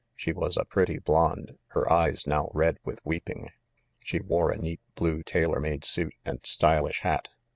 She was a pretty blonde, her eyes now red with weeping. She wore a neat blue tailor made suit and stylish hat.